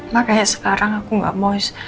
makanya sekarang aku gak mau